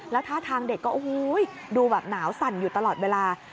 แล้วท่าทางเด็กก็โอ้โหดูแบบหนาวสั่นอยู่ตลอดเวลา